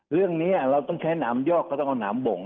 เรื่องนี้เราต้องใช้หนามยอกเขาต้องเอาหนามบ่ง